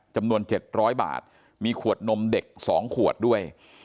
จำนวน๗๐๐บาทมีขวดนมเด็ก๒ขวดด้วย